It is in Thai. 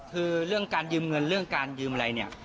คือเรื่องการยืมเงินเรื่องการยืมอะไรเนี่ย